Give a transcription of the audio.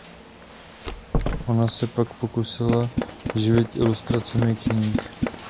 Ona se pak pokusila živit ilustracemi knih.